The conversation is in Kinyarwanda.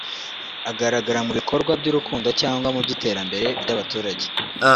agaragara mu bikorwa by’urukundo cyangwa mu by’iterambere ry’abaturage